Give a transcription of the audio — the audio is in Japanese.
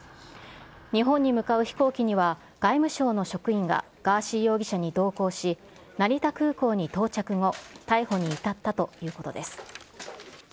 日本に向かう飛行機には、外務省の職員がガーシー容疑者に同行し、成田空港に到着後、逮捕に至ったということです。